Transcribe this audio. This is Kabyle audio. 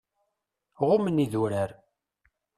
Ɣummen idurar.